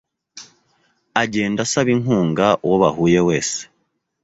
agenda asaba inkunga uwo bahuye wese